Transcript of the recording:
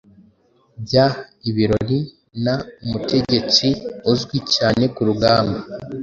Bya ibirori na umutegetsi uzwi cyane kurugamba